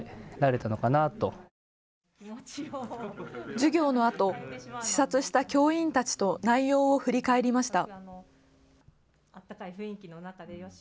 授業のあと視察した教員たちと内容を振り返りました。